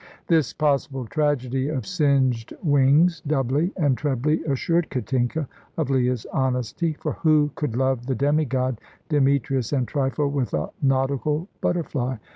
This possible tragedy of singed wings doubly and trebly assured Katinka of Leah's honesty, for who could love the demi god Demetrius and trifle with a nautical butterfly?